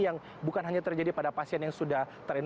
yang bukan hanya terjadi pada pasien yang sudah terinfek